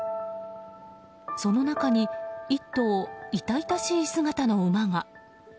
その中に１頭、痛々しい姿の馬が。